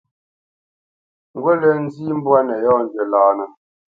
Ngut lǝ̂ nzǐ mbwǎ nǝ yɔ́njwǐ lǎnǝ.